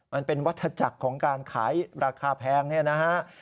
มันเป็นวัฒนาจักรของการขายราคาแพงเนี่ยนะฮะ